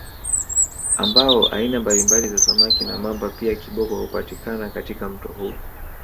Ambao aina mbalimbali za Samaki na Mamba pia viboko hupatikana katika mto huu